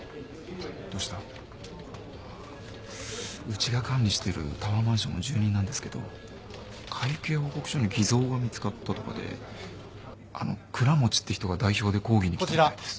うちが管理してるタワーマンションの住人なんですけど会計報告書に偽造が見つかったとかであの倉持って人が代表で抗議に来たみたいです。